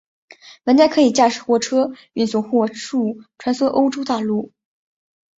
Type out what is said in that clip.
玩家可以驾驶货车运送货物穿梭欧洲大陆。